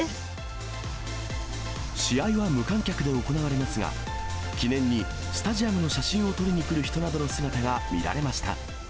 試合は無観客で行われますが、記念にスタジアムの写真を撮りにくる人などの姿が見られました。